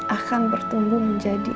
akan bertumbuh menjadi